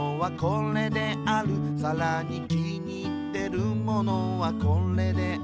「さらに気に入ってるものはこれである」